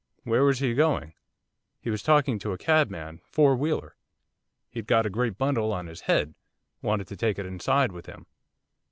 "Where was he going?" "He was talking to a cabman, four wheeler. He'd got a great bundle on his head, wanted to take it inside with him.